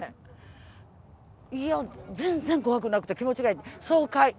いや全然怖くなくて気持ちがいい。